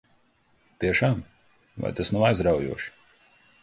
Tiešām? Vai tas nav aizraujoši?